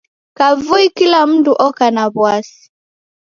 Kavui kila mndu oka na w'asi.